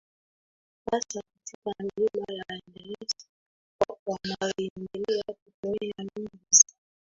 hasa katika milima ya Andes wanaoendelea kutumia lugha zao